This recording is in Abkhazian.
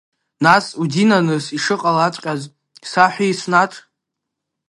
Нас, удинаныс, ишыҟалаҵәҟьаз саҳәи Еснаҭ?